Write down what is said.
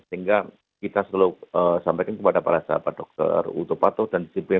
sehingga kita selalu sampaikan kepada para sahabat dokter utopato dan disiplin